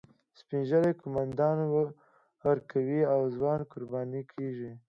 سپین ږیري قومانده ورکوي او ځوانان قرباني کیږي